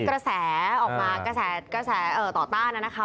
คือมันมีกระแสออกมากระแสต่อต้านนะคะ